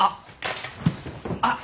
あっ！